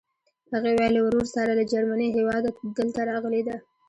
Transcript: هغې ویل له ورور سره له جرمني هېواده دلته راغلې ده.